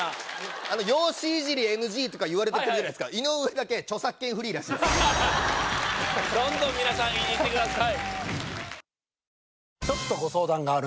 容姿いじりＮＧとか言われてる時じゃないですか井上だけ著作権フリーらしいですどんどん皆さんイジってください